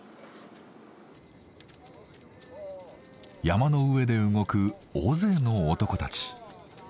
山の上で動く大勢の男たち。